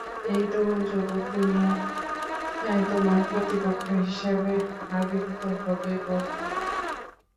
এই তরুণ যুবক দুনিয়ায় তোমার প্রতিপক্ষ হিসেবে আবির্ভূত হবে, বন্ধু।